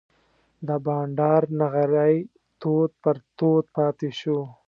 د بانډار نغری تود پر تود پاتې شو.